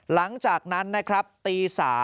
หลังจากนั้นนะครับตี๓